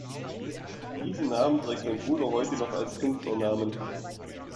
Diesen Namen trägt sein Bruder heute noch als Künstlernamen.